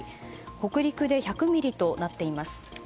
北陸で１００ミリとなっています。